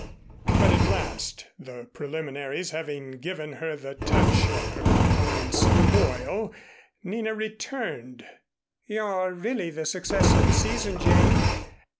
But at last, the preliminaries having given her the touch of her opponent's foil, Nina returned. "You're really the success of the season, Jane.